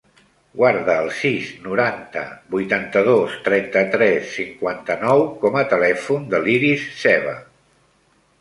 Guarda el sis, noranta, vuitanta-dos, trenta-tres, cinquanta-nou com a telèfon de l'Iris Seva.